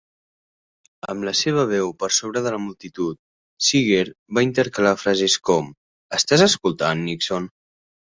Amb la seva veu per sobre de la multitud, Seeger va intercalar frases com: Estàs escoltant, Nixon?